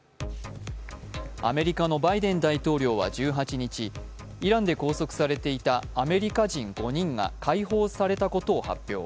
アメリカのバイデン大統領は１８日、イランで拘束されていたアメリカ人５人が解放されたことを発表。